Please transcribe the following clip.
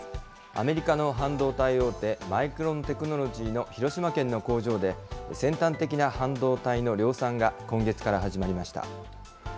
アメリカの半導体大手、マイクロンテクノロジーの広島県の工場で、先端的な半導体の量産が今月から始まりました。